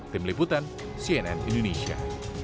tim liputan cnn indonesia